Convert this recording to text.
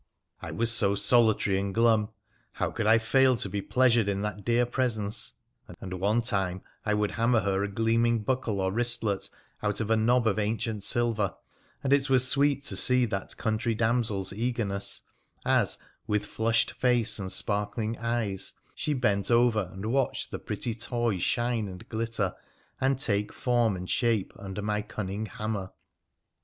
I was so solitary and glum, how could I fail to be pleasured in that dear presence ? And one time I would hammer her a gleaming buckle or wristlet out of a nob of ancient silver, and it was sweet to see that country damsel's eagerness as, with flushed face and sparkling eyes,, she bent over and watched the pretty toy shine and glitter and take form and shape under my cunning hammer.